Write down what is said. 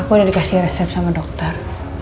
aku udah dikasih resep sama dokter